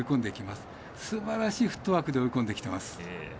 すばらしいフットワークで追い込んできています。